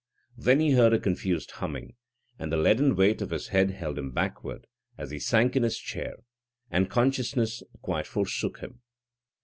Then he heard a confused humming, and the leaden weight of his head held him backward as he sank in his chair, and consciousness quite forsook him.